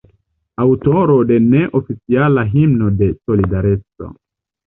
Aŭtoro de neoficiala himno de "Solidareco".